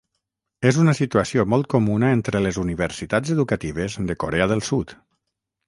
És una situació molt comuna entre les universitats educatives de Corea del Sud.